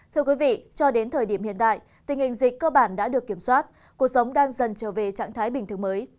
thưa quý vị cho đến thời điểm hiện tại tình hình dịch cơ bản đã được kiểm soát cuộc sống đang dần trở về trạng thái bình thường mới